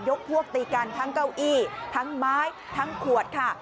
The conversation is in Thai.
พวกตีกันทั้งเก้าอี้ทั้งไม้ทั้งขวดค่ะ